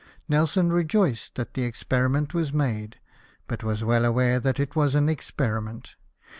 Nelson rejoiced that the experi ment was made, but was well aware that it was an experiment.